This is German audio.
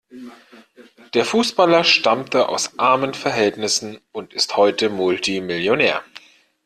Der Fußballer stammte aus armen Verhältnissen und ist heute Multimillionär.